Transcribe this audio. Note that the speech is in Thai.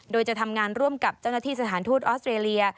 โดยจะทำงานร่วมกับเจ้าหน้าที่สถานทูตออสเตรเลีย